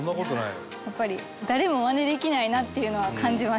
やっぱり誰もマネできないなっていうのは感じました。